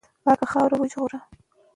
پاکه خاوره وژغوره.